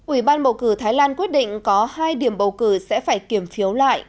ủy ban bầu cử thái lan quyết định có hai điểm bầu cử sẽ phải kiểm phiếu lại